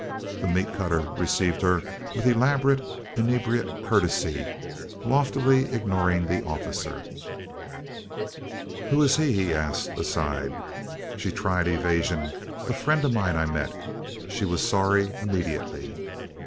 The meat cutter received her with elaborate inebriate courtesy, loftily ignoring the officer. "Who is he?" he asked, aside. She tried evasion. "A friend of mine I met." She was sorry immediately.